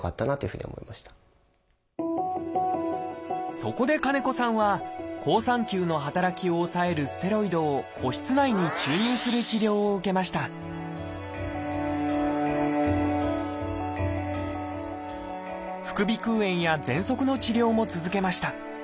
そこで金子さんは好酸球の働きを抑えるステロイドを鼓室内に注入する治療を受けました副鼻腔炎やぜんそくの治療も続けました。